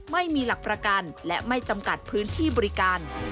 ไม่มีหลักประกันและไม่จำกัดพื้นที่บริการ